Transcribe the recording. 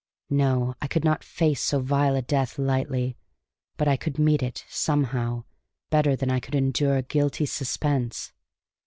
No, I could not face so vile a death lightly, but I could meet it, somehow, better than I could endure a guilty suspense.